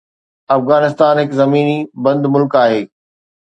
افغانستان هڪ زميني بند ملڪ آهي